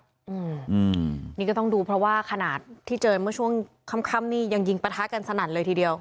อืมนี่ก็ต้องดูเพราะว่าขนาดที่เจอเมื่อช่วงค่ำนี่ยังยิงประทะกันสนั่นเลยทีเดียว